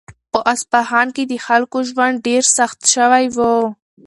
په اصفهان کې د خلکو ژوند ډېر سخت شوی و.